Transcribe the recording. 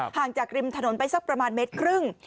ห่างจากริมถนนไปสักประมาณเมตรครึ่ง